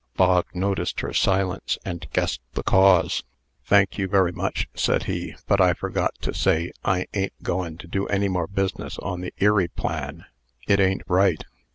Bog noticed her silence, and guessed the cause. "Thank you very much," said he; "but I forgot to say I a'n't goin' to do any more business on the Erie plan. It a'n't right.